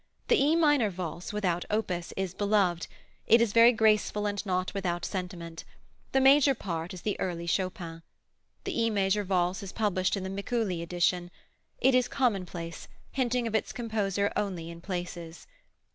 The E minor Valse, without opus, is beloved. It is very graceful and not without sentiment. The major part is the early Chopin. The E major Valse is published in the Mikuli edition. It is commonplace, hinting of its composer only in places.